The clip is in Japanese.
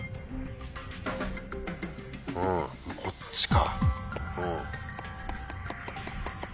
うんこっちか。